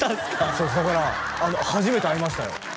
そうですだから初めて会いましたよ